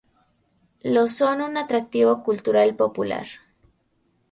Los son un atractivo cultural popular.